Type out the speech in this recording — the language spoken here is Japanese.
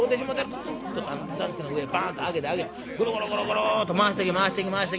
ちょっと座敷の上へバンと上げて上げてゴロゴロゴロゴロッと回しとき回しとき回しとき。